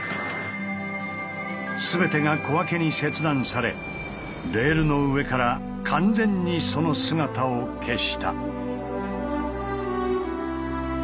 全てが小分けに切断されレールの上から完全にその姿を消した。